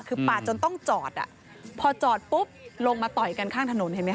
คือปาดจนต้องจอดอ่ะพอจอดปุ๊บลงมาต่อยกันข้างถนนเห็นไหมค